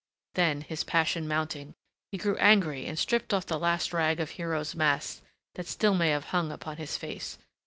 Then, his passion mounting, he grew angry and stripped off the last rag of hero's mask that still may have hung upon his face.